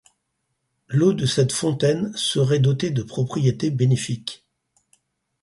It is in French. L'eau de cette fontaine serait dotée de propriétés bénéfiques.